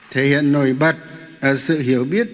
thể hiện nổi bật ở sự hiểu biết